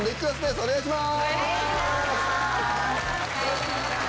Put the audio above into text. お願いします。